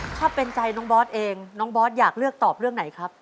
ถ้าเป็นใจน้องบอสเองน้องบอสอยากเลือกตอบเรื่องไหนครับ